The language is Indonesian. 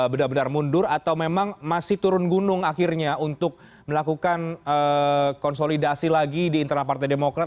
benar benar mundur atau memang masih turun gunung akhirnya untuk melakukan konsolidasi lagi di internal partai demokrat